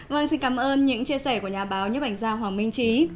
vâng xin cảm ơn những chia sẻ của nhà báo nhấp ảnh gia hoàng minh trí